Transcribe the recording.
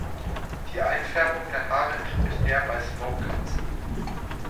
Die Einfärbung der Haare entspricht der bei Smoke-Katzen.